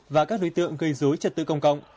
và các đối tượng gây dối trật tự công cộng